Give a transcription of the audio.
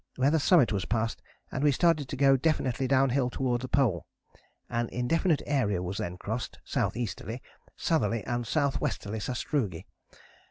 where the summit was passed and we started to go definitely downhill toward the Pole. An indefinite area was then crossed S.E.ly, S.ly and S.W.ly sastrugi.